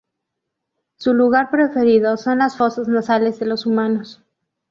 Su lugar preferido son las fosas nasales de los humanos.